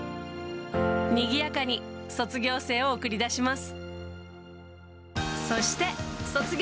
にぎやかに卒業生を送り出します。